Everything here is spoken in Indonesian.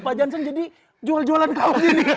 pak jansen jadi jual jualan kaum ini